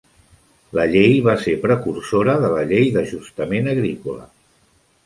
La llei va ser precursora de la Llei d'ajustament agrícola.